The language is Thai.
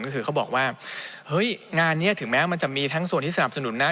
ก็คือเขาบอกว่าเฮ้ยงานนี้ถึงแม้มันจะมีทั้งส่วนที่สนับสนุนนะ